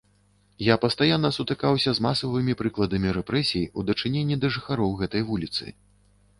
Я пастаянна сутыкаўся з масавымі прыкладамі рэпрэсій у дачыненні да жыхароў гэтай вуліцы.